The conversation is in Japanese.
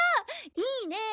いいねえ。